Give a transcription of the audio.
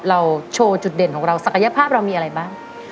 เราโชว์จุดเด่นของเราศักยภาพเรามีอะไรบ้าง